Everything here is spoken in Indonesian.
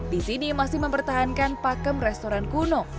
di sini masih mempertahankan pakem restoran kuno